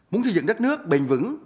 muốn xây dựng đất nước bền vững